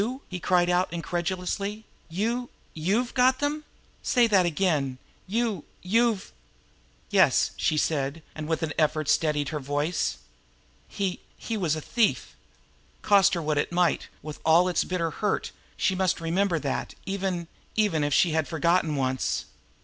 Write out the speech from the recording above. he cried out incredulously. "You you've got them? Say that again! You you've " "Yes," she said, and with an effort steadied her voice. He he was a thief. Cost her what it might, with all its bitter hurt, she must remember that, even even if she had forgotten once.